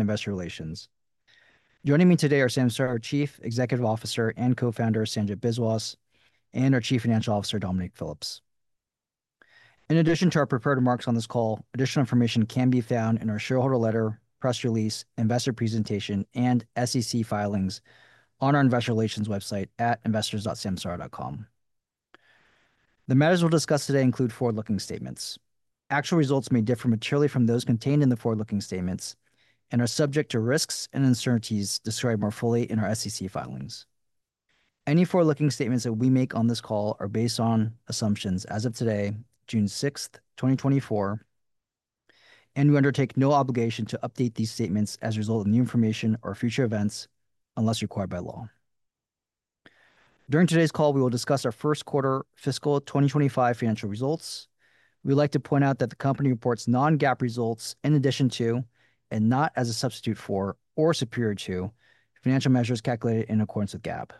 Investor Relations. Joining me today are Samsara Chief Executive Officer and Co-Founder Sanjit Biswas, and our Chief Financial Officer Dominic Phillips. In addition to our prepared remarks on this call, additional information can be found in our shareholder letter, press release, investor presentation, and SEC filings on our Investor Relations website at investors.samsara.com. The matters we'll discuss today include forward-looking statements. Actual results may differ materially from those contained in the forward-looking statements and are subject to risks and uncertainties described more fully in our SEC filings. Any forward-looking statements that we make on this call are based on assumptions as of today, June 6, 2024, and we undertake no obligation to update these statements as a result of new information or future events unless required by law. During today's call, we will discuss our first quarter fiscal 2025 financial results. We would like to point out that the company reports non-GAAP results in addition to, and not as a substitute for, or superior to, financial measures calculated in accordance with GAAP.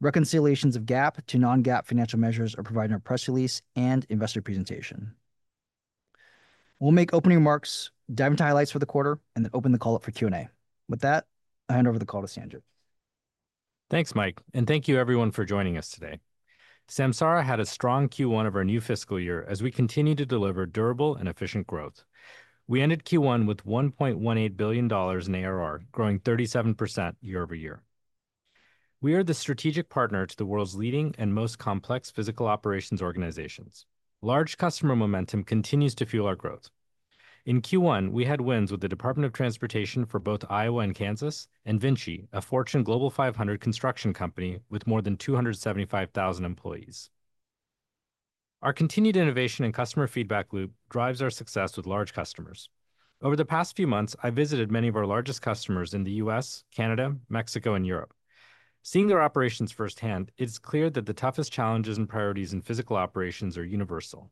Reconciliations of GAAP to non-GAAP financial measures are provided in our press release and investor presentation. We'll make opening remarks, dive into highlights for the quarter, and then open the call up for Q&A. With that, I hand over the call to Sanjit. Thanks, Mike, and thank you everyone for joining us today. Samsara had a strong Q1 of our new fiscal year as we continue to deliver durable and efficient growth. We ended Q1 with $1.18 billion in ARR, growing 37% year-over-year. We are the strategic partner to the world's leading and most complex physical operations organizations. Large customer momentum continues to fuel our growth. In Q1, we had wins with the Department of Transportation for both Iowa and Kansas, and Vinci, a Fortune Global 500 construction company with more than 275,000 employees. Our continued innovation and customer feedback loop drives our success with large customers. Over the past few months, I visited many of our largest customers in the US, Canada, Mexico, and Europe. Seeing their operations firsthand, it's clear that the toughest challenges and priorities in physical operations are universal.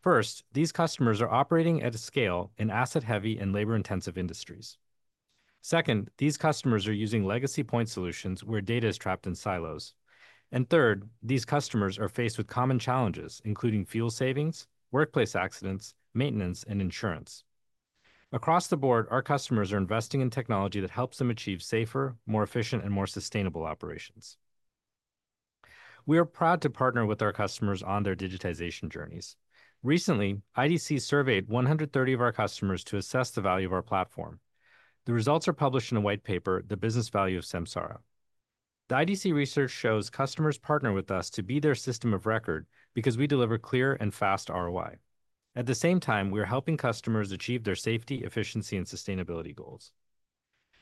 First, these customers are operating at a scale in asset-heavy and labor-intensive industries. Second, these customers are using legacy point solutions where data is trapped in silos. Third, these customers are faced with common challenges, including fuel savings, workplace accidents, maintenance, and insurance. Across the board, our customers are investing in technology that helps them achieve safer, more efficient, and more sustainable operations. We are proud to partner with our customers on their digitization journeys. Recently, IDC surveyed 130 of our customers to assess the value of our platform. The results are published in a white paper, The Business Value of Samsara. The IDC research shows customers partner with us to be their system of record because we deliver clear and fast ROI. At the same time, we are helping customers achieve their safety, efficiency, and sustainability goals.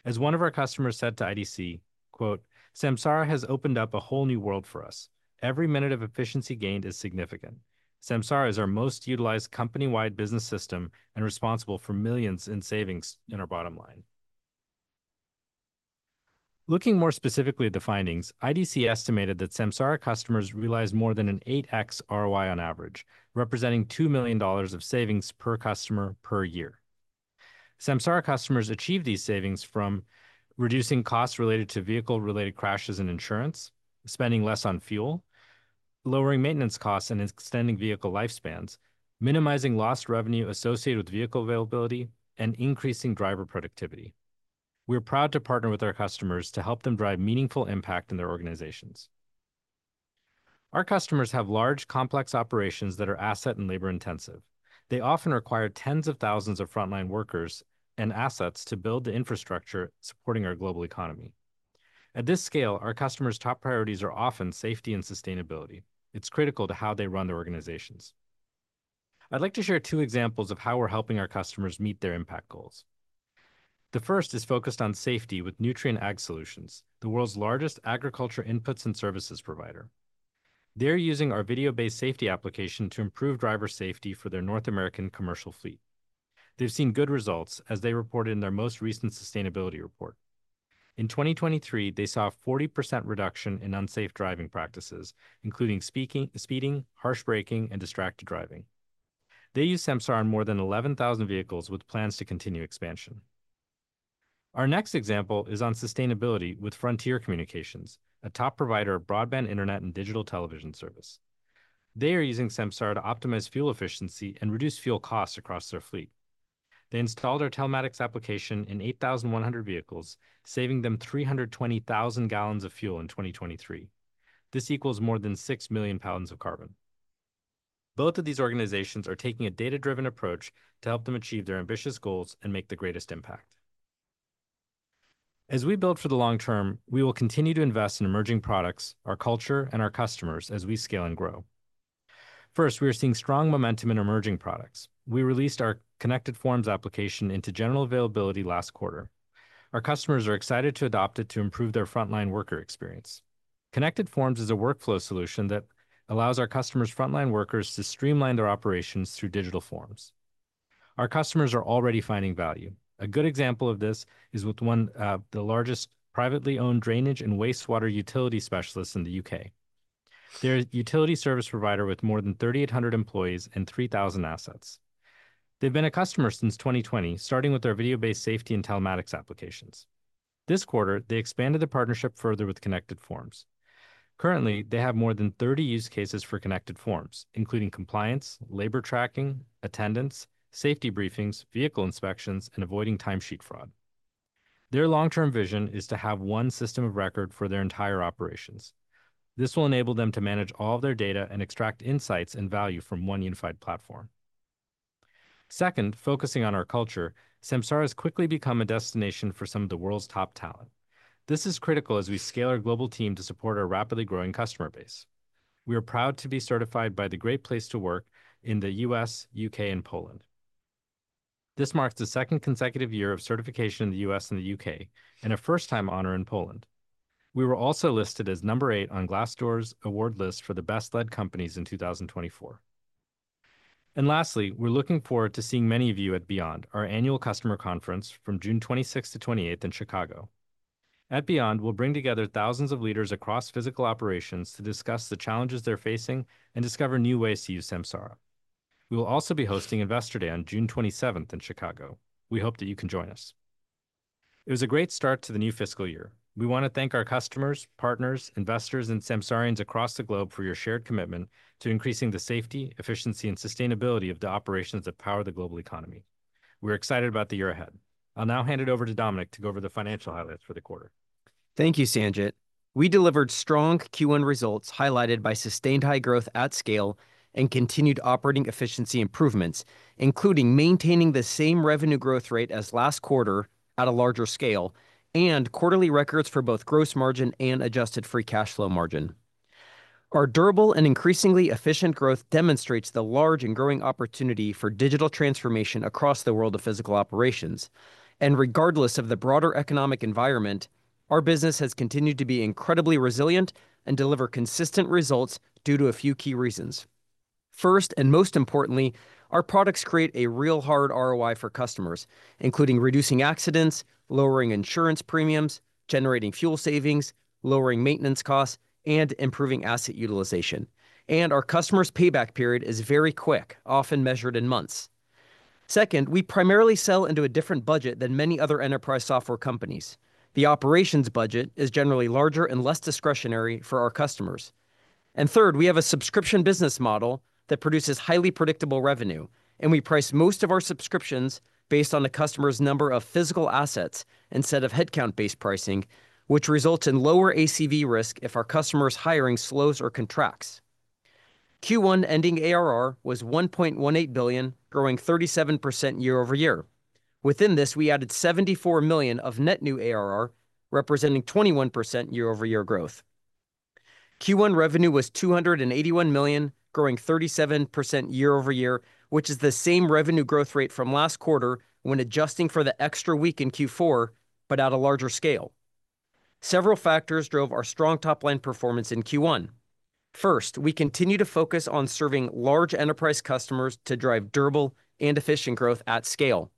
As one of our customers said to IDC, "Samsara has opened up a whole new world for us. Every minute of efficiency gained is significant. Samsara is our most utilized company-wide business system and responsible for millions in savings in our bottom line." Looking more specifically at the findings, IDC estimated that Samsara customers realized more than an 8x ROI on average, representing $2 million of savings per customer per year. Samsara customers achieved these savings from reducing costs related to vehicle-related crashes and insurance, spending less on fuel, lowering maintenance costs and extending vehicle lifespans, minimizing lost revenue associated with vehicle availability, and increasing driver productivity. We are proud to partner with our customers to help them drive meaningful impact in their organizations. Our customers have large, complex operations that are asset and labor-intensive. They often require tens of thousands of frontline workers and assets to build the infrastructure supporting our global economy. At this scale, our customers' top priorities are often safety and sustainability. It's critical to how they run their organizations. I'd like to share two examples of how we're helping our customers meet their impact goals. The first is focused on safety with Nutrien Ag Solutions, the world's largest agriculture inputs and services provider. They're using our video-based safety application to improve driver safety for their North American commercial fleet. They've seen good results as they reported in their most recent sustainability report. In 2023, they saw a 40% reduction in unsafe driving practices, including speeding, harsh braking, and distracted driving. They use Samsara on more than 11,000 vehicles with plans to continue expansion. Our next example is on sustainability with Frontier Communications, a top provider of broadband internet and digital television service. They are using Samsara to optimize fuel efficiency and reduce fuel costs across their fleet. They installed our Telematics application in 8,100 vehicles, saving them 320,000 gallons of fuel in 2023. This equals more than 6 million pounds of carbon. Both of these organizations are taking a data-driven approach to help them achieve their ambitious goals and make the greatest impact. As we build for the long term, we will continue to invest in emerging products, our culture, and our customers as we scale and grow. First, we are seeing strong momentum in emerging products. We released our Connected Forms application into general availability last quarter. Our customers are excited to adopt it to improve their frontline worker experience. Connected Forms is a workflow solution that allows our customers' frontline workers to streamline their operations through digital forms. Our customers are already finding value. A good example of this is with one of the largest privately owned drainage and wastewater utility specialists in the UK. They're a utility service provider with more than 3,800 employees and 3,000 assets. They've been a customer since 2020, starting with their video-based safety and telematics applications. This quarter, they expanded the partnership further with Connected Forms. Currently, they have more than 30 use cases for Connected Forms, including compliance, labor tracking, attendance, safety briefings, vehicle inspections, and avoiding timesheet fraud. Their long-term vision is to have one system of record for their entire operations. This will enable them to manage all of their data and extract insights and value from one unified platform. Second, focusing on our culture, Samsara has quickly become a destination for some of the world's top talent. This is critical as we scale our global team to support our rapidly growing customer base. We are proud to be certified by The Great Place to Work in the U.S., U.K., and Poland. This marks the second consecutive year of certification in the U.S. and the U.K., and a first-time honor in Poland. We were also listed as number eight on Glassdoor's award list for the best-led companies in 2024. And lastly, we're looking forward to seeing many of you at Beyond, our annual customer conference from June 26 to 28 in Chicago. At Beyond, we'll bring together thousands of leaders across physical operations to discuss the challenges they're facing and discover new ways to use Samsara. We will also be hosting Investor Day on June 27 in Chicago. We hope that you can join us. It was a great start to the new fiscal year. We want to thank our customers, partners, investors, and Samsarians across the globe for your shared commitment to increasing the safety, efficiency, and sustainability of the operations that power the global economy. We're excited about the year ahead. I'll now hand it over to Dominic to go over the financial highlights for the quarter. Thank you, Sanjit. We delivered strong Q1 results highlighted by sustained high growth at scale and continued operating efficiency improvements, including maintaining the same revenue growth rate as last quarter at a larger scale and quarterly records for both gross margin and adjusted free cash flow margin. Our durable and increasingly efficient growth demonstrates the large and growing opportunity for digital transformation across the world of physical operations. Regardless of the broader economic environment, our business has continued to be incredibly resilient and deliver consistent results due to a few key reasons. First and most importantly, our products create a real hard ROI for customers, including reducing accidents, lowering insurance premiums, generating fuel savings, lowering maintenance costs, and improving asset utilization. Our customers' payback period is very quick, often measured in months. Second, we primarily sell into a different budget than many other enterprise software companies. The operations budget is generally larger and less discretionary for our customers. And third, we have a subscription business model that produces highly predictable revenue, and we price most of our subscriptions based on the customer's number of physical assets instead of headcount-based pricing, which results in lower ACV risk if our customer's hiring slows or contracts. Q1 ending ARR was $1.18 billion, growing 37% year-over-year. Within this, we added $74 million of net new ARR, representing 21% year-over-year growth. Q1 revenue was $281 million, growing 37% year-over-year, which is the same revenue growth rate from last quarter when adjusting for the extra week in Q4, but at a larger scale. Several factors drove our strong top-line performance in Q1. First, we continue to focus on serving large enterprise customers to drive durable and efficient growth at scale.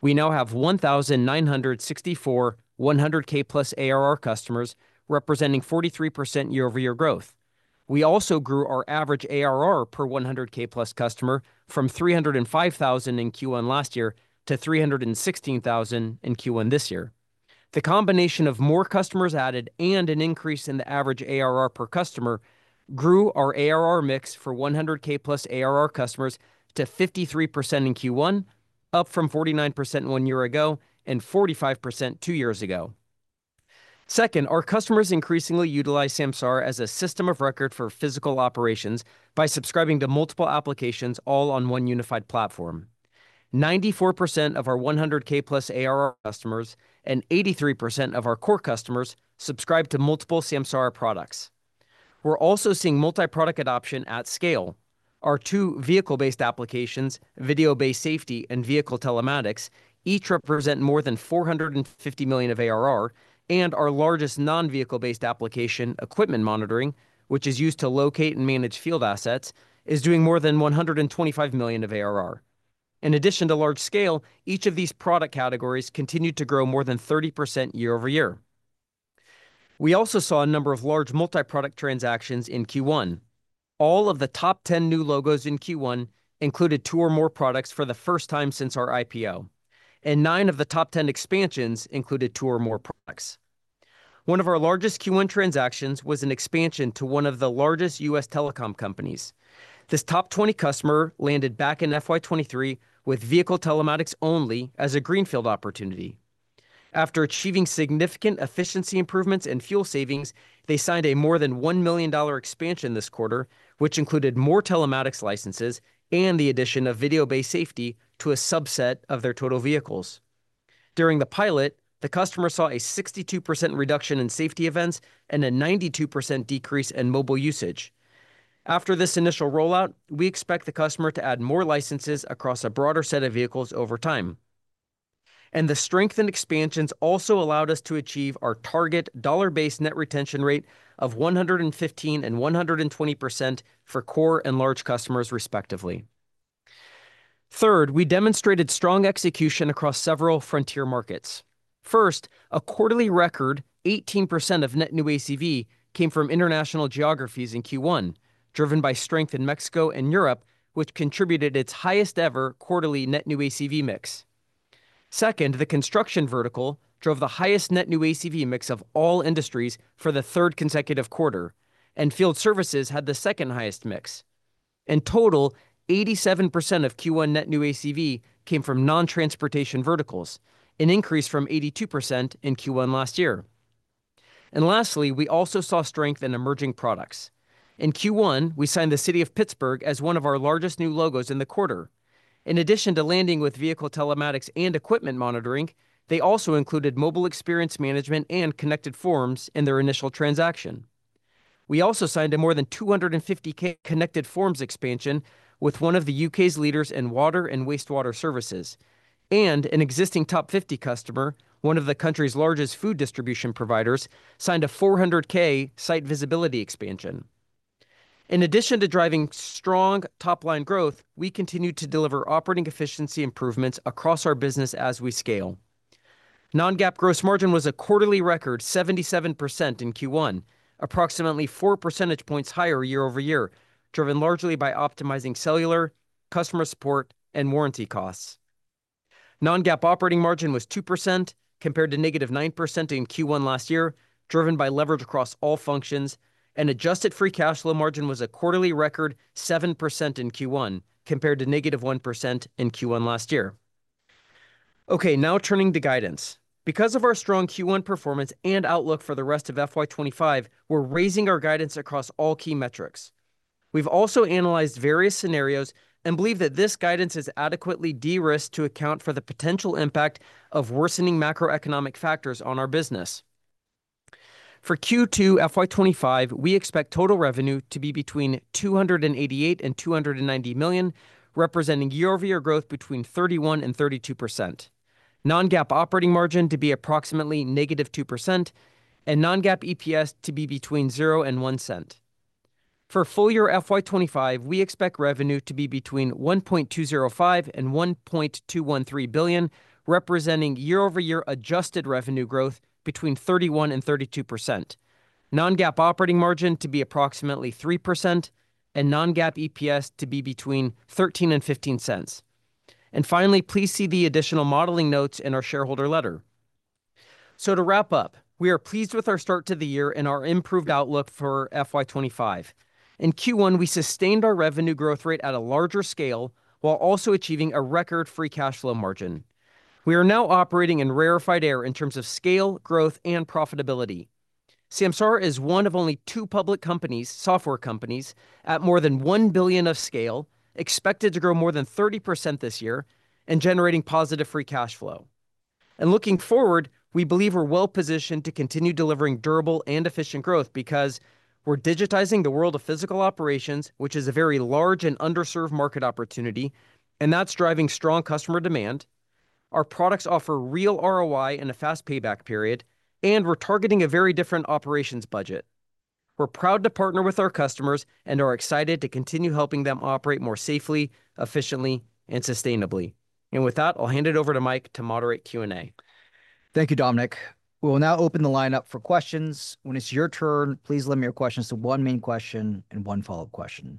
We now have 1,964 100K-plus ARR customers, representing 43% year-over-year growth. We also grew our average ARR per 100K-plus customer from 305,000 in Q1 last year to 316,000 in Q1 this year. The combination of more customers added and an increase in the average ARR per customer grew our ARR mix for 100K-plus ARR customers to 53% in Q1, up from 49% one year ago and 45% two years ago. Second, our customers increasingly utilize Samsara as a system of record for physical operations by subscribing to multiple applications, all on one unified platform. 94% of our 100K-plus ARR customers and 83% of our core customers subscribe to multiple Samsara products. We're also seeing multi-product adoption at scale. Our two vehicle-based applications, Video-Based Safety and Vehicle Telematics, each represent more than $450 million of ARR, and our largest non-vehicle-based application, Equipment Monitoring, which is used to locate and manage field assets, is doing more than $125 million of ARR. In addition to large-scale, each of these product categories continued to grow more than 30% year-over-year. We also saw a number of large multi-product transactions in Q1. All of the top 10 new logos in Q1 included two or more products for the first time since our IPO, and nine of the top 10 expansions included two or more products. One of our largest Q1 transactions was an expansion to one of the largest U.S. telecom companies. This top 20 customer landed back in FY23 with Vehicle Telematics only as a greenfield opportunity. After achieving significant efficiency improvements and fuel savings, they signed a more than $1 million expansion this quarter, which included more telematics licenses and the addition of video-based safety to a subset of their total vehicles. During the pilot, the customer saw a 62% reduction in safety events and a 92% decrease in mobile usage. After this initial rollout, we expect the customer to add more licenses across a broader set of vehicles over time. The strengthened expansions also allowed us to achieve our target dollar-based net retention rate of 115% and 120% for core and large customers, respectively. Third, we demonstrated strong execution across several frontier markets. First, a quarterly record 18% of net new ACV came from international geographies in Q1, driven by strength in Mexico and Europe, which contributed its highest-ever quarterly net new ACV mix. Second, the construction vertical drove the highest net new ACV mix of all industries for the third consecutive quarter, and field services had the second-highest mix. In total, 87% of Q1 net new ACV came from non-transportation verticals, an increase from 82% in Q1 last year. Lastly, we also saw strength in emerging products. In Q1, we signed the City of Pittsburgh as one of our largest new logos in the quarter. In addition to landing with Vehicle Telematics and Equipment Monitoring, they also included Mobile Experience Management and Connected Forms in their initial transaction. We also signed a more than $250K Connected Forms expansion with one of the U.K.'s leaders in water and wastewater services. An existing top 50 customer, one of the country's largest food distribution providers, signed a $400K Site Visibility expansion. In addition to driving strong top-line growth, we continued to deliver operating efficiency improvements across our business as we scale. Non-GAAP gross margin was a quarterly record 77% in Q1, approximately 4 percentage points higher year-over-year, driven largely by optimizing cellular, customer support, and warranty costs. Non-GAAP operating margin was 2% compared to negative 9% in Q1 last year, driven by leverage across all functions, and adjusted free cash flow margin was a quarterly record 7% in Q1 compared to negative 1% in Q1 last year. Okay, now turning to guidance. Because of our strong Q1 performance and outlook for the rest of FY25, we're raising our guidance across all key metrics. We've also analyzed various scenarios and believe that this guidance is adequately de-risked to account for the potential impact of worsening macroeconomic factors on our business. For Q2 FY25, we expect total revenue to be between $288 million-$290 million, representing year-over-year growth between 31%-32%. Non-GAAP operating margin to be approximately -2%, and non-GAAP EPS to be between $0.00-$0.01. For full year FY25, we expect revenue to be between $1.205 billion-$1.213 billion, representing year-over-year adjusted revenue growth between 31%-32%. Non-GAAP operating margin to be approximately 3%, and non-GAAP EPS to be between $0.13-$0.15. Finally, please see the additional modeling notes in our shareholder letter. To wrap up, we are pleased with our start to the year and our improved outlook for FY25. In Q1, we sustained our revenue growth rate at a larger scale while also achieving a record free cash flow margin. We are now operating in rarefied air in terms of scale, growth, and profitability. Samsara is one of only two public companies, software companies, at more than $1 billion of scale, expected to grow more than 30% this year, and generating positive free cash flow. Looking forward, we believe we're well-positioned to continue delivering durable and efficient growth because we're digitizing the world of physical operations, which is a very large and underserved market opportunity, and that's driving strong customer demand. Our products offer real ROI and a fast payback period, and we're targeting a very different operations budget. We're proud to partner with our customers and are excited to continue helping them operate more safely, efficiently, and sustainably. With that, I'll hand it over to Mike to moderate Q&A. Thank you, Dominic. We'll now open the lineup for questions. When it's your turn, please limit your questions to one main question and one follow-up question.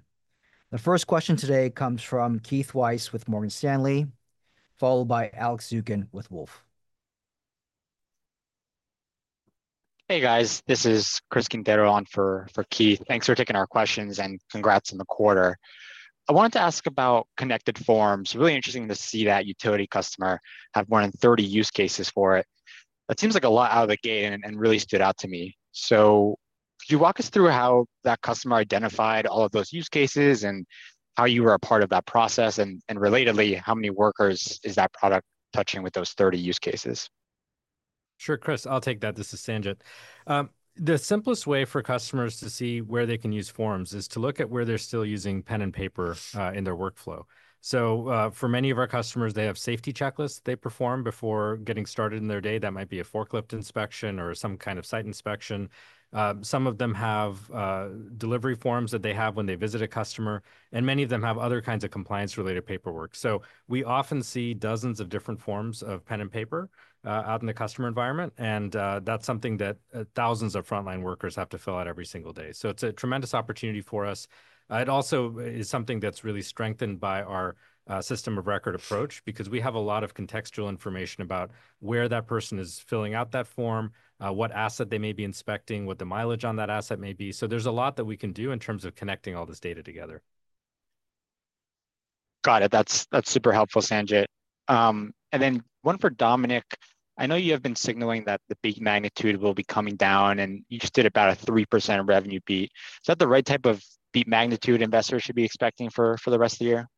The first question today comes from Keith Weiss with Morgan Stanley, followed by Alex Zukin with Wolfe. Hey, guys. This is Chris Quintero on for Keith. Thanks for taking our questions and congrats on the quarter. I wanted to ask about Connected Forms. Really interesting to see that utility customer have more than 30 use cases for it. That seems like a lot out of the gate and really stood out to me. So could you walk us through how that customer identified all of those use cases and how you were a part of that process? And relatedly, how many workers is that product touching with those 30 use cases? Sure, Chris, I'll take that. This is Sanjit. The simplest way for customers to see where they can use forms is to look at where they're still using pen and paper in their workflow. So for many of our customers, they have safety checklists they perform before getting started in their day. That might be a forklift inspection or some kind of site inspection. Some of them have delivery forms that they have when they visit a customer, and many of them have other kinds of compliance-related paperwork. So we often see dozens of different forms of pen and paper out in the customer environment, and that's something that thousands of frontline workers have to fill out every single day. So it's a tremendous opportunity for us. It also is something that's really strengthened by our System of Record approach because we have a lot of contextual information about where that person is filling out that form, what asset they may be inspecting, what the mileage on that asset may be. So there's a lot that we can do in terms of connecting all this data together. Got it. That's super helpful, Sanjit. And then one for Dominic, I know you have been signaling that the beat magnitude will be coming down, and you stood about a 3% revenue beat. Is that the right type of beat magnitude investors should be expecting for the rest of the year?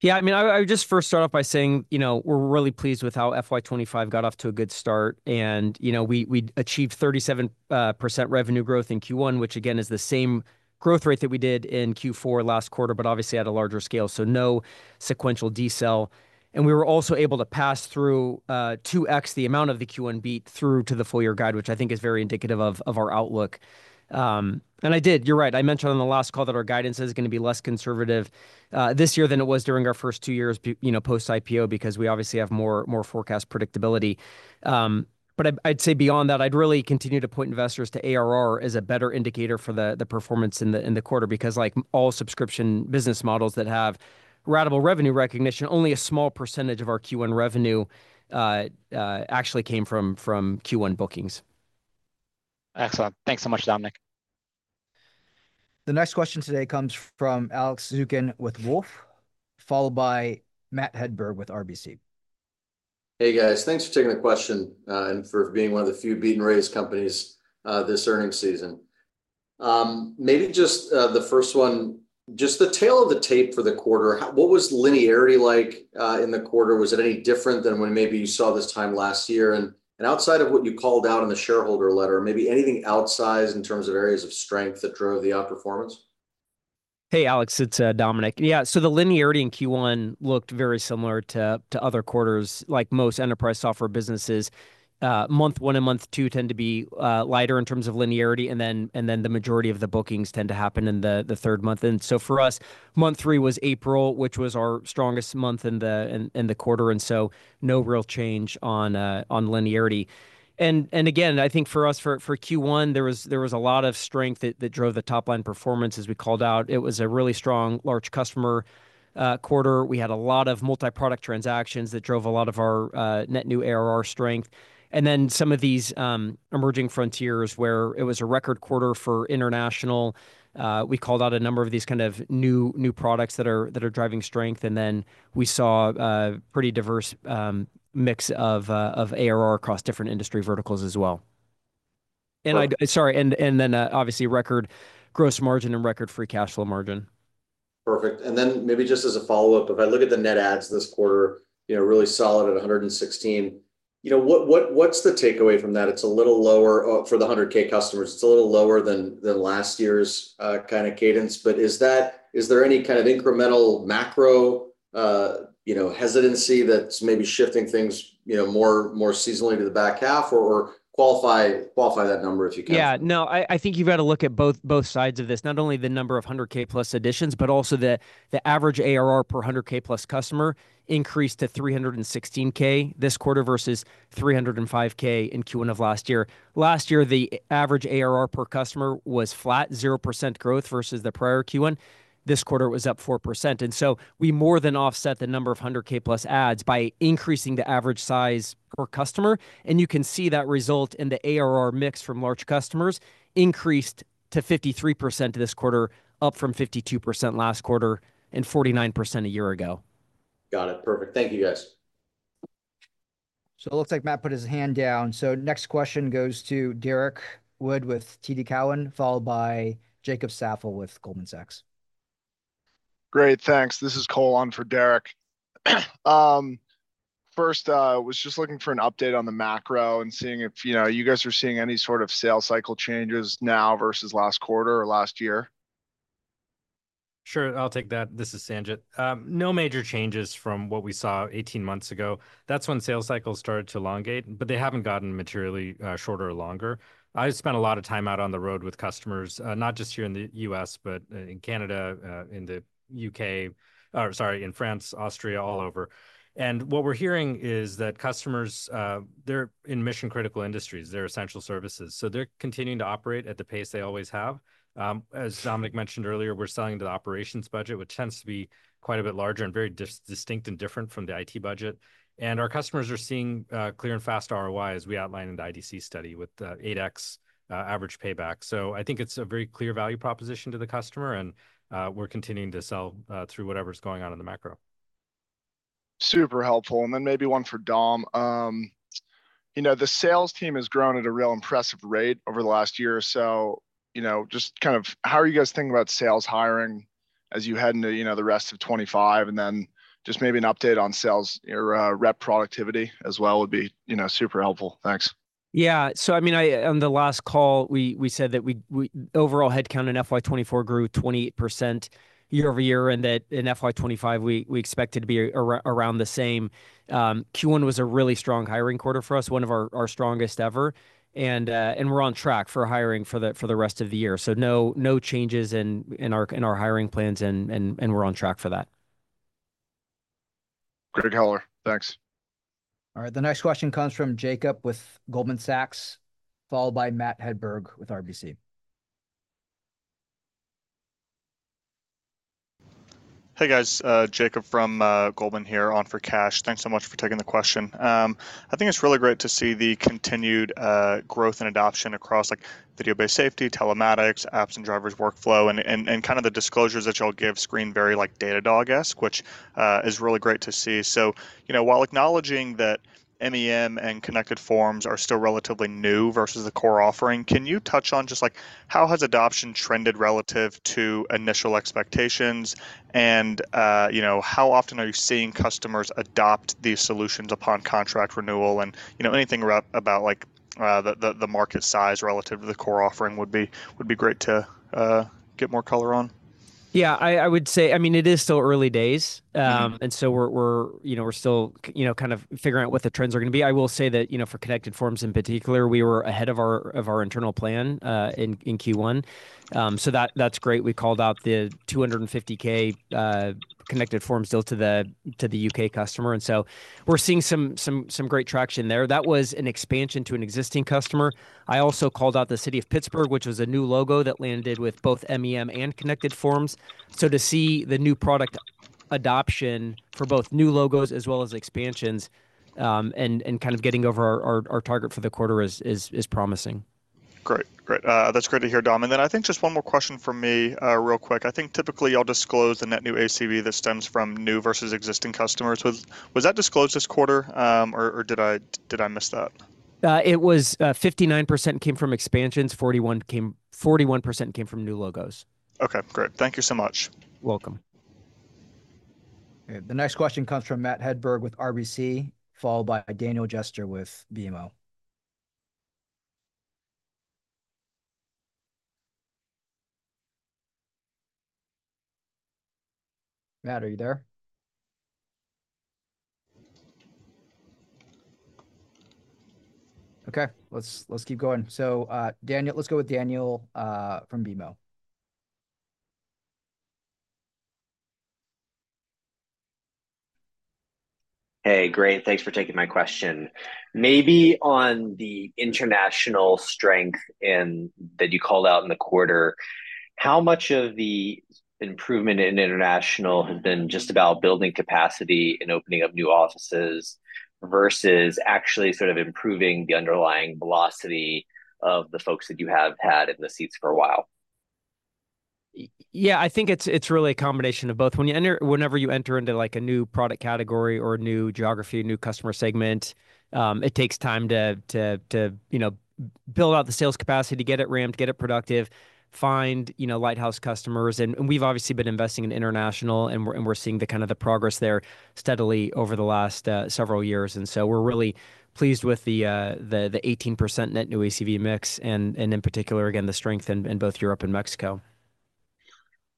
Yeah, I mean, I would just first start off by saying, you know, we're really pleased with how FY25 got off to a good start. You know, we achieved 37% revenue growth in Q1, which again is the same growth rate that we did in Q4 last quarter, but obviously at a larger scale. So no sequential decel. We were also able to pass through 2x the amount of the Q1 beat through to the full year guide, which I think is very indicative of our outlook. I did, you're right. I mentioned on the last call that our guidance is going to be less conservative this year than it was during our first two years post-IPO because we obviously have more forecast predictability. I'd say beyond that, I'd really continue to point investors to ARR as a better indicator for the performance in the quarter because, like all subscription business models that have ratable revenue recognition, only a small percentage of our Q1 revenue actually came from Q1 bookings. Excellent. Thanks so much, Dominic. The next question today comes from Alex Zukin with Wolfe, followed by Matt Hedberg with RBC. Hey, guys. Thanks for taking the question and for being one of the few beat-and-raise companies this earnings season. Maybe just the first one, just the tail of the tape for the quarter, what was linearity like in the quarter? Was it any different than when maybe you saw this time last year? Outside of what you called out in the shareholder letter, maybe anything outsized in terms of areas of strength that drove the outperformance? Hey, Alex, it's Dominic. Yeah, so the linearity in Q1 looked very similar to other quarters, like most enterprise software businesses. Month one and month two tend to be lighter in terms of linearity, and then the majority of the bookings tend to happen in the third month. And so for us, month three was April, which was our strongest month in the quarter. And so no real change on linearity. And again, I think for us, for Q1, there was a lot of strength that drove the top-line performance as we called out. It was a really strong, large customer quarter. We had a lot of multi-product transactions that drove a lot of our net new ARR strength. And then some of these emerging frontiers where it was a record quarter for international, we called out a number of these kind of new products that are driving strength. And then we saw a pretty diverse mix of ARR across different industry verticals as well. And sorry, and then obviously record gross margin and record free cash flow margin. Perfect. And then maybe just as a follow-up, if I look at the net adds this quarter, really solid at 116, what's the takeaway from that? It's a little lower for the 100,000 customers. It's a little lower than last year's kind of cadence. But is there any kind of incremental macro hesitancy that's maybe shifting things more seasonally to the back half or qualify that number if you can? Yeah, no, I think you've got to look at both sides of this. Not only the number of 100K+ additions, but also the average ARR per 100K+ customer increased to 316K this quarter versus 305K in Q1 of last year. Last year, the average ARR per customer was flat 0% growth versus the prior Q1. This quarter, it was up 4%. And so we more than offset the number of 100K+ adds by increasing the average size per customer. And you can see that result in the ARR mix from large customers increased to 53% this quarter, up from 52% last quarter and 49% a year ago. Got it. Perfect. Thank you, guys. So it looks like Matt put his hand down. So next question goes to Derek Wood with TD Cowen, followed by Jacob Saffill with Goldman Sachs. Great. Thanks. This is Cole on for Derek. First, I was just looking for an update on the macro and seeing if you guys are seeing any sort of sales cycle changes now versus last quarter or last year. Sure, I'll take that. This is Sanjit. No major changes from what we saw 18 months ago. That's when sales cycles started to elongate, but they haven't gotten materially shorter or longer. I spent a lot of time out on the road with customers, not just here in the U.S., but in Canada, in the U.K., or sorry, in France, Austria, all over. And what we're hearing is that customers, they're in mission-critical industries, their essential services. So they're continuing to operate at the pace they always have. As Dominic mentioned earlier, we're selling to the operations budget, which tends to be quite a bit larger and very distinct and different from the IT budget. And our customers are seeing clear and fast ROI, as we outlined in the IDC study with 8x average payback. I think it's a very clear value proposition to the customer, and we're continuing to sell through whatever's going on in the macro. Super helpful. Then maybe one for Dom. The sales team has grown at a real impressive rate over the last year or so. Just kind of how are you guys thinking about sales hiring as you head into the rest of 2025? Then just maybe an update on sales rep productivity as well would be super helpful. Thanks. Yeah. I mean, on the last call, we said that overall headcount in FY24 grew 28% year-over-year, and that in FY25, we expect it to be around the same. Q1 was a really strong hiring quarter for us, one of our strongest ever. We're on track for hiring for the rest of the year. No changes in our hiring plans, and we're on track for that. Great color. Thanks. All right. The next question comes from Jacob with Goldman Sachs, followed by Matt Hedberg with RBC. Hey, guys. Jacob from Goldman here in for Kash. Thanks so much for taking the question. I think it's really great to see the continued growth and adoption across video-based safety, telematics, apps, and drivers workflow, and kind of the disclosures that y'all give scream very like Datadog-esque, which is really great to see. So while acknowledging that MEM and Connected Forms are still relatively new versus the core offering, can you touch on just how has adoption trended relative to initial expectations? And how often are you seeing customers adopt these solutions upon contract renewal? And anything about the market size relative to the core offering would be great to get more color on. Yeah, I would say, I mean, it is still early days. So we're still kind of figuring out what the trends are going to be. I will say that for Connected Forms in particular, we were ahead of our internal plan in Q1. That's great. We called out the 250,000 Connected Forms still to the UK customer. So we're seeing some great traction there. That was an expansion to an existing customer. I also called out the City of Pittsburgh, which was a new logo that landed with both MEM and Connected Forms. To see the new product adoption for both new logos as well as expansions and kind of getting over our target for the quarter is promising. Great. Great. That's great to hear, Dom. And then I think just one more question from me real quick. I think typically y'all disclose the net new ACV that stems from new versus existing customers. Was that disclosed this quarter, or did I miss that? It was 59% came from expansions. 41% came from new logos. Okay. Great. Thank you so much. You're welcome. The next question comes from Matt Hedberg with RBC, followed by Dan Jester with BMO. Matt, are you there? Okay. Let's keep going. So let's go with Dan from BMO. Hey, great. Thanks for taking my question. Maybe on the international strength that you called out in the quarter, how much of the improvement in international has been just about building capacity and opening up new offices versus actually sort of improving the underlying velocity of the folks that you have had in the seats for a while? Yeah, I think it's really a combination of both. Whenever you enter into a new product category or a new geography, a new customer segment, it takes time to build out the sales capacity, to get it ramped, get it productive, find lighthouse customers. And we've obviously been investing in international, and we're seeing the kind of progress there steadily over the last several years. And so we're really pleased with the 18% net new ACV mix and in particular, again, the strength in both Europe and Mexico.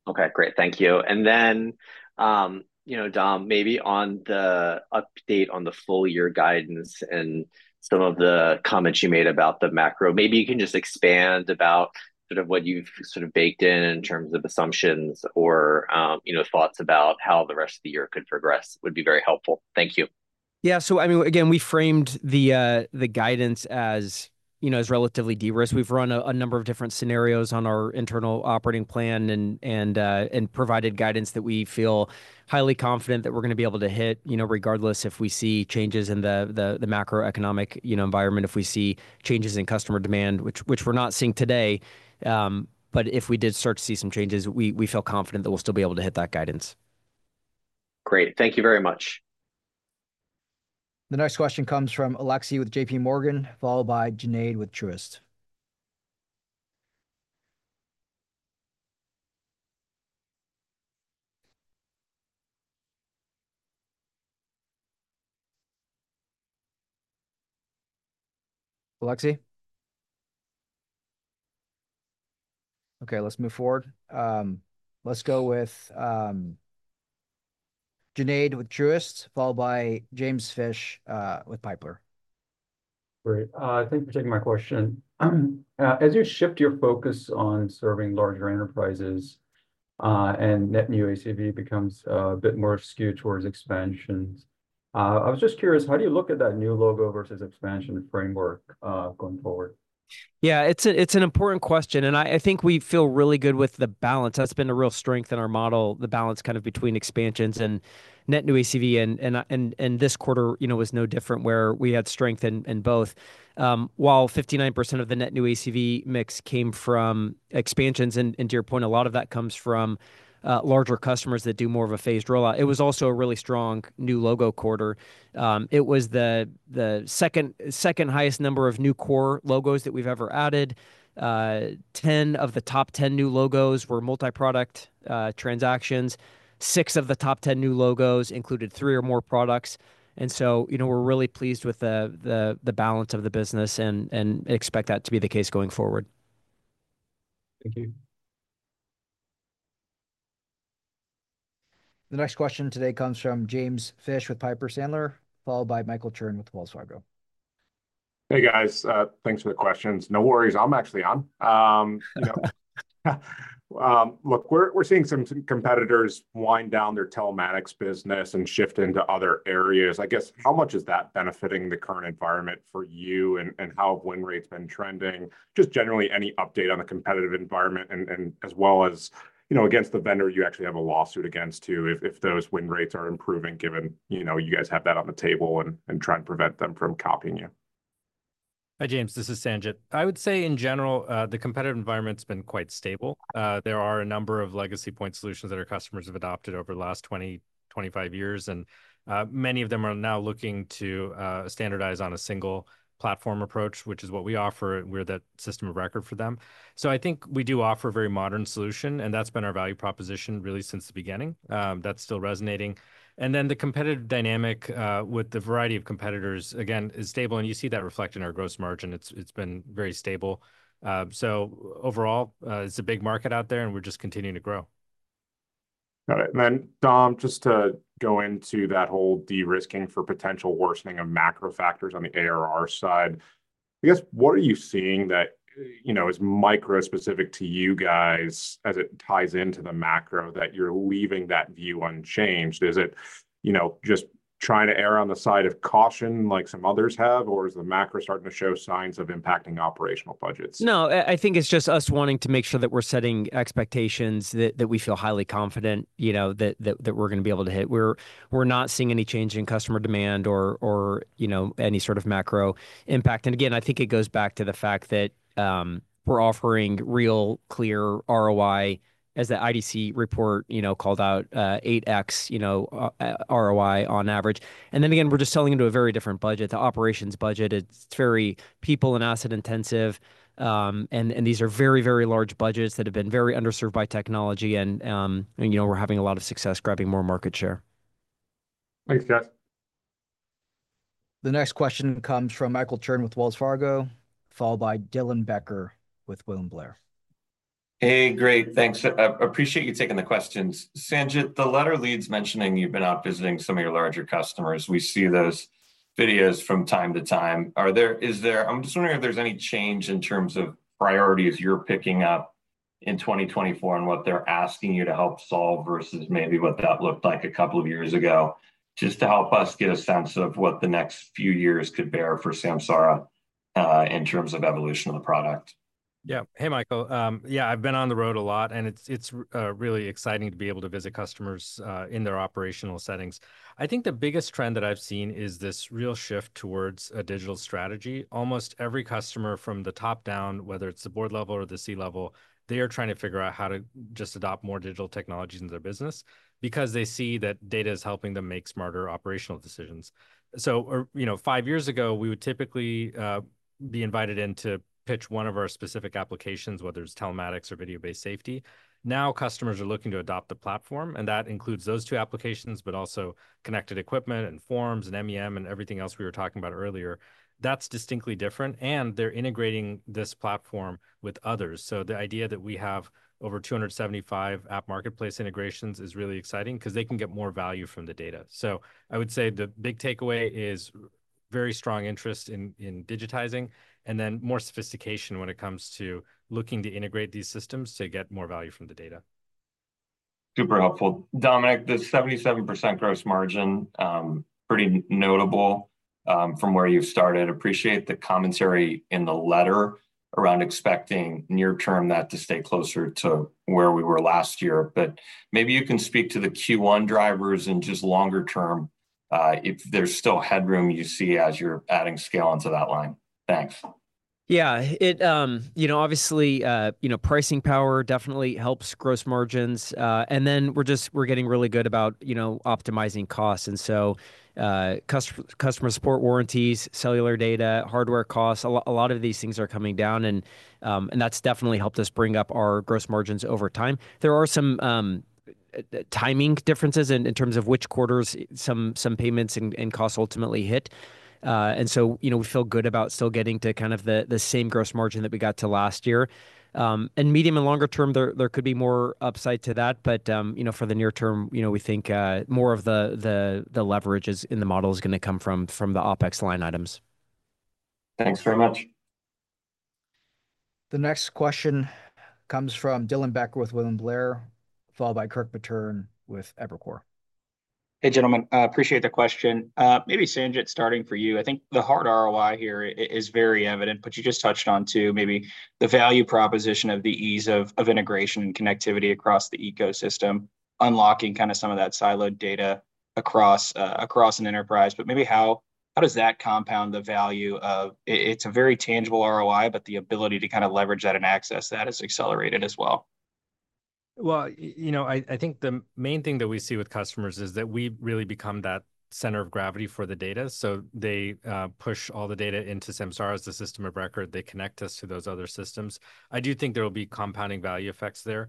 Okay. Great. Thank you. And then, Dom, maybe on the update on the full year guidance and some of the comments you made about the macro, maybe you can just expand about sort of what you've sort of baked in in terms of assumptions or thoughts about how the rest of the year could progress would be very helpful. Thank you. Yeah. So I mean, again, we framed the guidance as relatively de-risked. We've run a number of different scenarios on our internal operating plan and provided guidance that we feel highly confident that we're going to be able to hit regardless if we see changes in the macroeconomic environment, if we see changes in customer demand, which we're not seeing today. But if we did start to see some changes, we feel confident that we'll still be able to hit that guidance. Great. Thank you very much. The next question comes from Alexi with JPMorgan, followed by Janaid with Truist. Alexi? Okay. Let's move forward. Let's go with Janaid with Truist, followed by James Fish with Piper. Great. Thank you for taking my question. As you shift your focus on serving larger enterprises and net new ACV becomes a bit more skewed towards expansions, I was just curious, how do you look at that new logo versus expansion framework going forward? Yeah, it's an important question. I think we feel really good with the balance. That's been a real strength in our model, the balance kind of between expansions and net new ACV. This quarter was no different where we had strength in both. While 59% of the net new ACV mix came from expansions, and to your point, a lot of that comes from larger customers that do more of a phased rollout, it was also a really strong new logo quarter. It was the second highest number of new core logos that we've ever added. 10 of the top 10 new logos were multi-product transactions. Six of the top 10 new logos included three or more products. So we're really pleased with the balance of the business and expect that to be the case going forward. Thank you. The next question today comes from James Fish with Piper Sandler, followed by Michael Turrin with Wells Fargo. Hey, guys. Thanks for the questions. No worries. I'm actually on. Look, we're seeing some competitors wind down their telematics business and shift into other areas. I guess, how much is that benefiting the current environment for you and how have win rates been trending? Just generally, any update on the competitive environment and as well as against the vendor you actually have a lawsuit against too if those win rates are improving given you guys have that on the table and try and prevent them from copying you? Hi, James. This is Sanjit. I would say in general, the competitive environment's been quite stable. There are a number of legacy point solutions that our customers have adopted over the last 20, 25 years. Many of them are now looking to standardize on a single platform approach, which is what we offer. We're that system of record for them. I think we do offer a very modern solution, and that's been our value proposition really since the beginning. That's still resonating. Then the competitive dynamic with the variety of competitors, again, is stable. You see that reflected in our gross margin. It's been very stable. Overall, it's a big market out there, and we're just continuing to grow. Got it. And then, Dom, just to go into that whole de-risking for potential worsening of macro factors on the ARR side, I guess, what are you seeing that is micro-specific to you guys as it ties into the macro that you're leaving that view unchanged? Is it just trying to err on the side of caution like some others have, or is the macro starting to show signs of impacting operational budgets? No, I think it's just us wanting to make sure that we're setting expectations that we feel highly confident that we're going to be able to hit. We're not seeing any change in customer demand or any sort of macro impact. And again, I think it goes back to the fact that we're offering real clear ROI as the IDC report called out 8x ROI on average. And then again, we're just selling into a very different budget. The operations budget, it's very people and asset intensive. And these are very, very large budgets that have been very underserved by technology. And we're having a lot of success grabbing more market share. Thanks, guys. The next question comes from Michael Chern with Wells Fargo, followed by Dylan Becker with William Blair. Hey, great. Thanks. Appreciate you taking the questions. Sanjit, the latest letter mentioning you've been out visiting some of your larger customers. We see those videos from time to time. I'm just wondering if there's any change in terms of priorities you're picking up in 2024 and what they're asking you to help solve versus maybe what that looked like a couple of years ago just to help us get a sense of what the next few` years could bear for Samsara in terms of evolution of the product. Yeah. Hey, Michael. Yeah, I've been on the road a lot, and it's really exciting to be able to visit customers in their operational settings. I think the biggest trend that I've seen is this real shift towards a digital strategy. Almost every customer from the top down, whether it's the board level or the C level, they are trying to figure out how to just adopt more digital technologies in their business because they see that data is helping them make smarter operational decisions. So five years ago, we would typically be invited in to pitch one of our specific applications, whether it's telematics or video-based safety. Now customers are looking to adopt the platform, and that includes those two applications, but also connected equipment and forms and MEM and everything else we were talking about earlier. That's distinctly different, and they're integrating this platform with others. So the idea that we have over 275 app marketplace integrations is really exciting because they can get more value from the data. So I would say the big takeaway is very strong interest in digitizing and then more sophistication when it comes to looking to integrate these systems to get more value from the data. Super helpful. Dominic, the 77% gross margin, pretty notable from where you've started. Appreciate the commentary in the letter around expecting near-term that to stay closer to where we were last year. But maybe you can speak to the Q1 drivers and just longer term if there's still headroom you see as you're adding scale onto that line. Thanks. Yeah. Obviously, pricing power definitely helps gross margins. And then we're getting really good about optimizing costs. And so customer support warranties, cellular data, hardware costs, a lot of these things are coming down. And that's definitely helped us bring up our gross margins over time. There are some timing differences in terms of which quarters some payments and costs ultimately hit. And so we feel good about still getting to kind of the same gross margin that we got to last year. And medium and longer term, there could be more upside to that. But for the near term, we think more of the leverage in the model is going to come from the OPEX line items. Thanks very much. The next question comes from Dylan Becker with William Blair, followed by Kirk Materne with Evercore. Hey, gentlemen. Appreciate the question. Maybe Sanjit starting for you. I think the hard ROI here is very evident, but you just touched on too maybe the value proposition of the ease of integration and connectivity across the ecosystem, unlocking kind of some of that siloed data across an enterprise. But maybe how does that compound the value of it's a very tangible ROI, but the ability to kind of leverage that and access that has accelerated as well. Well, I think the main thing that we see with customers is that we really become that center of gravity for the data. So they push all the data into Samsara as the system of record. They connect us to those other systems. I do think there will be compounding value effects there.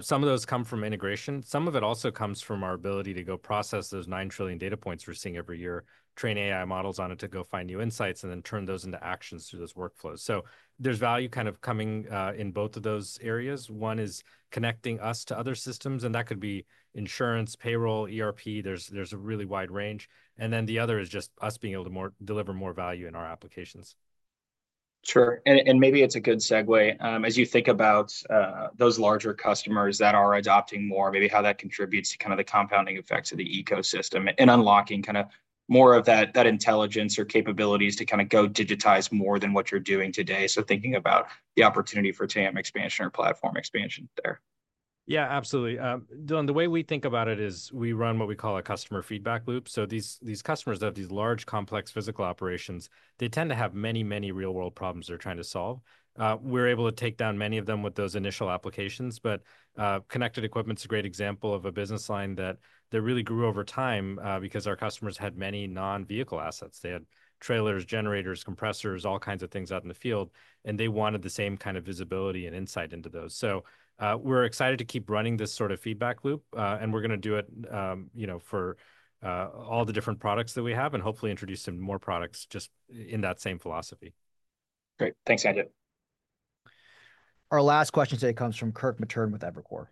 Some of those come from integration. Some of it also comes from our ability to go process those 9 trillion data points we're seeing every year, train AI models on it to go find new insights, and then turn those into actions through those workflows. So there's value kind of coming in both of those areas. One is connecting us to other systems, and that could be insurance, payroll, ERP. There's a really wide range. And then the other is just us being able to deliver more value in our applications. Sure. And maybe it's a good segue as you think about those larger customers that are adopting more, maybe how that contributes to kind of the compounding effects of the ecosystem and unlocking kind of more of that intelligence or capabilities to kind of go digitize more than what you're doing today. So thinking about the opportunity for TAM expansion or platform expansion there. Yeah, absolutely. Dylan, the way we think about it is we run what we call a customer feedback loop. So these customers that have these large complex physical operations, they tend to have many, many real-world problems they're trying to solve. We're able to take down many of them with those initial applications. But connected equipment's a great example of a business line that really grew over time because our customers had many non-vehicle assets. They had trailers, generators, compressors, all kinds of things out in the field. And they wanted the same kind of visibility and insight into those. So we're excited to keep running this sort of feedback loop. And we're going to do it for all the different products that we have and hopefully introduce some more products just in that same philosophy. Great. Thanks, Sanjit. Our last question today comes from Kirk Matern with Evercore.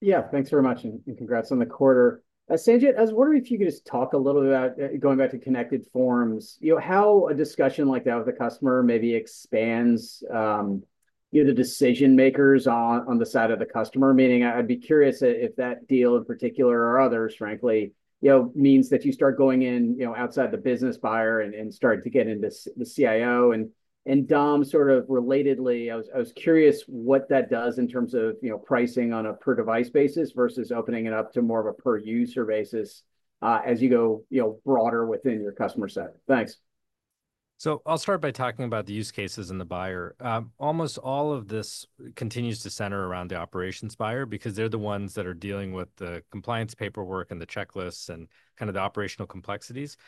Yeah. Thanks very much and congrats on the quarter. Sanjit, I was wondering if you could just talk a little bit about going back to Connected Forms, how a discussion like that with a customer maybe expands the decision makers on the side of the customer. Meaning, I'd be curious if that deal in particular or others, frankly, means that you start going in outside the business buyer and start to get into the CIO. And Dom, sort of relatedly, I was curious what that does in terms of pricing on a per-device basis versus opening it up to more of a per-user basis as you go broader within your customer set. Thanks. I'll start by talking about the use cases and the buyer. Almost all of this continues to center around the operations buyer because they're the ones that are dealing with the compliance paperwork and the checklists and kind of the operational complexities.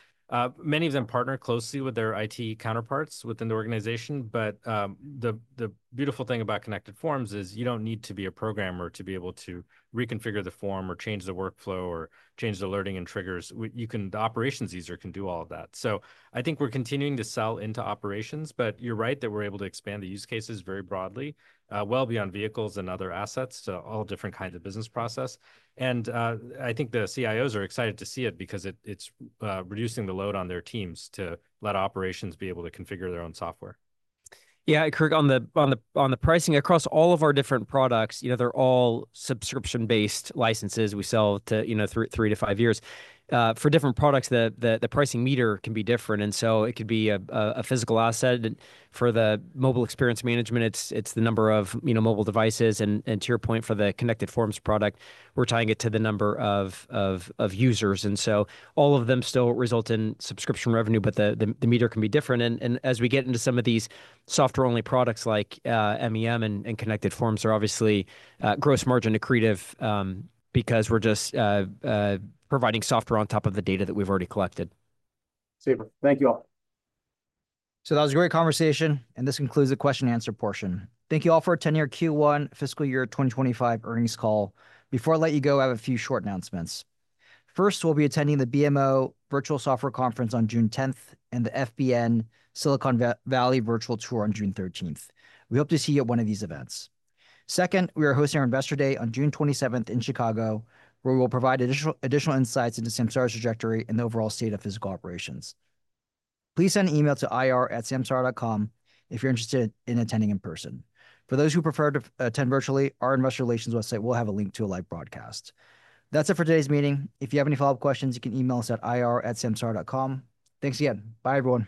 Many of them partner closely with their IT counterparts within the organization. But the beautiful thing about Connected Forms is you don't need to be a programmer to be able to reconfigure the form or change the workflow or change the alerting and triggers. The operations user can do all of that. So I think we're continuing to sell into operations. But you're right that we're able to expand the use cases very broadly, well beyond vehicles and other assets to all different kinds of business process. I think the CIOs are excited to see it because it's reducing the load on their teams to let operations be able to configure their own software. Yeah. Kirk, on the pricing across all of our different products, they're all subscription-based licenses. We sell through 3-5 years. For different products, the pricing meter can be different. And so it could be a physical asset. For the Mobile Experience Management, it's the number of mobile devices. And to your point, for the Connected Forms product, we're tying it to the number of users. And so all of them still result in subscription revenue, but the meter can be different. And as we get into some of these software-only products like MEM and Connected Forms, they're obviously gross margin accretive because we're just providing software on top of the data that we've already collected. Super. Thank you all. That was a great conversation. This concludes the question-and-answer portion. Thank you all for attending our Q1 fiscal year 2025 earnings call. Before I let you go, I have a few short announcements. First, we'll be attending the BMO Virtual Software Conference on June 10th and the FBN Silicon Valley Virtual Tour on June 13th. We hope to see you at one of these events. Second, we are hosting our Investor Day on June 27th in Chicago, where we will provide additional insights into Samsara's trajectory and the overall state of physical operations. Please send an email to ir@samsara.com if you're interested in attending in person. For those who prefer to attend virtually, our Investor Relations website will have a link to a live broadcast. That's it for today's meeting. If you have any follow-up questions, you can email us at ir@samsara.com. Thanks again. Bye everyone.